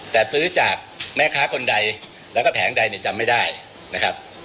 แต่ซื้อจากแม่ค้าคนใดแล้วก็แผงใดเนี่ยจำไม่ได้นะครับ